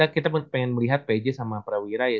kita pengen melihat pj sama prawira ya